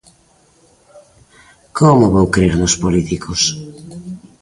Como vou crer nos políticos?